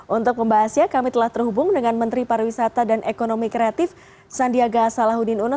untuk pembahasnya kami telah terhubung dengan menteri pariwisata dan ekonomi kreatif sandiaga salahuddin uno